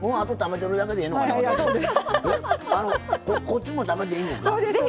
こっちも食べていいんですか？